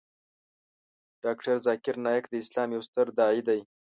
ډاکتر ذاکر نایک د اسلام یو ستر داعی دی .